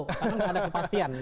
karena tidak ada kepastian